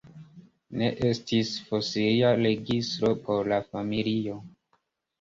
Ne estas fosilia registro por la familio.